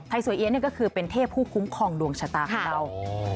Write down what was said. สวยเอี๊ยนี่ก็คือเป็นเทพผู้คุ้มครองดวงชะตาของเรา